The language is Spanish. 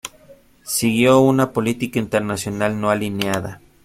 Siguió una política internacional no alineada.